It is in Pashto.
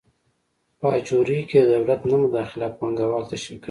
په اجورې کې د دولت نه مداخله پانګوال تشویقوي.